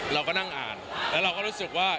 เราก็นั่งอ่านแล้วเราก็รู้สึกว่า